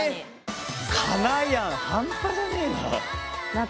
カナやん半端じゃねえな。